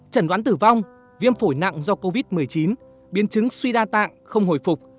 trần đoán tử vong viêm phổi nặng do covid một mươi chín biến chứng suy đa tạng không hồi phục